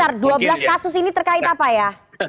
pak benny sebentar dua belas kasus ini terkait apa ya